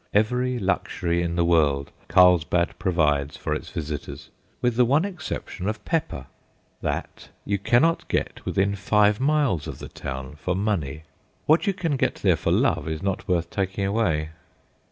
Every luxury in the world Carlsbad provides for its visitors, with the one exception of pepper. That you cannot get within five miles of the town for money; what you can get there for love is not worth taking away.